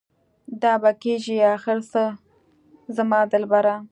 دا به کيږي اخر څه زما دلبره؟